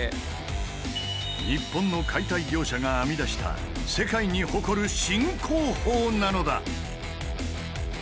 日本の解体業者が編み出した世界に誇る新工法なのだ！